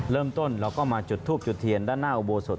เริ่มต้นเราก็มาจุดทูบจุดเทียนด้านหน้าอุโบสถ